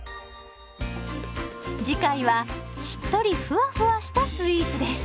次回はしっとりふわふわしたスイーツです。